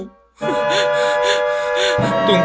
buah itu menyerangku